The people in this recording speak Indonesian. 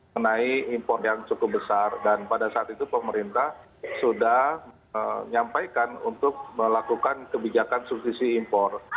menai impor yang cukup besar dan pada saat itu pemerintah sudah menyampaikan untuk melakukan kebijakan subsidi impor